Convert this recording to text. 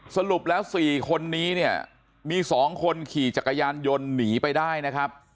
สรุปแล้ว๔คนนี้เนี่ยมี๒คนขี่จักรยานยนต์หนีไปได้นะครับ